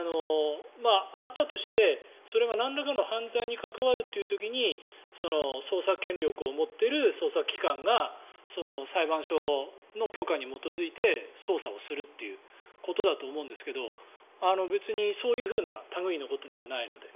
あったとしてそれがなんらかの犯罪に関わるという時に捜査権力を持っている捜査機関が裁判所の許可に基づいて捜査をするということだと思うんですけど別にそういうふうな類いのことではないので。